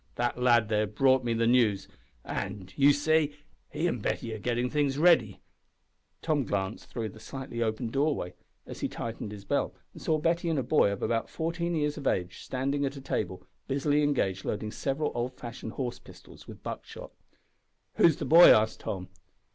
That lad there brought me the news, and, you see, he an' Betty are getting things ready." Tom glanced through the slightly opened doorway, as he tightened his belt, and saw Betty and a boy of about fourteen years of age standing at a table, busily engaged loading several old fashioned horse pistols with buckshot. "Who's the boy?" asked Tom.